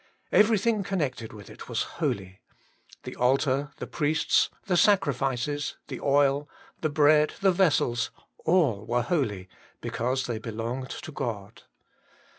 Everything connected with it was holy. The altar, the priests, the sacrifices, the oil, the bread, the vessels, all were holy, because they belonged to God.